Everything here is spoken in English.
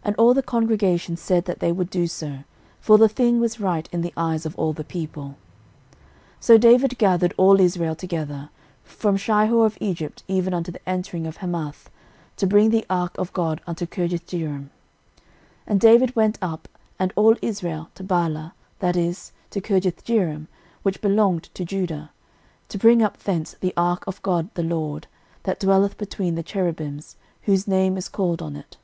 13:013:004 And all the congregation said that they would do so: for the thing was right in the eyes of all the people. 13:013:005 So David gathered all Israel together, from Shihor of Egypt even unto the entering of Hemath, to bring the ark of God from Kirjathjearim. 13:013:006 And David went up, and all Israel, to Baalah, that is, to Kirjathjearim, which belonged to Judah, to bring up thence the ark of God the LORD, that dwelleth between the cherubims, whose name is called on it.